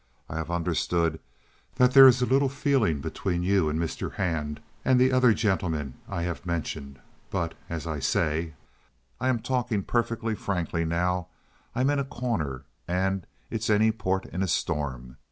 I have understood that there is a little feeling between you and Mr. Hand and the other gentlemen I have mentioned. But, as I say—and I'm talking perfectly frankly now—I'm in a corner, and it's any port in a storm.